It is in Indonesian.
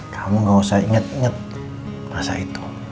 kamu gak usah inget inget masa itu